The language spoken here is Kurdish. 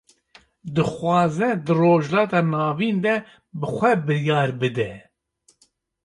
Dixwaze di Rojhilata Navîn de, bi xwe biryar bide